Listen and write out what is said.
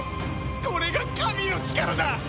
これが神の力だ！